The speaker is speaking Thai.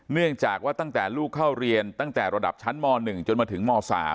เนื่องจากว่าตั้งแต่ลูกเข้าเรียนตั้งแต่ระดับชั้นม๑จนมาถึงม๓